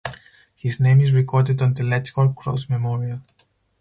His name is recorded on the Letchworth Cross memorial.